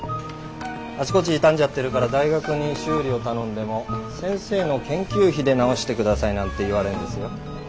あちこち傷んじゃってるから大学に修理を頼んでも先生の研究費で直してくださいなんて言われんですよ？